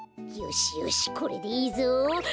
よしよしこれでいいぞ。